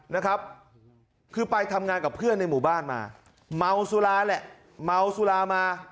นะครับคือไปทำงานกับเพื่อนในหมู่บ้านมาเมาสุราแหละเมาสุรามา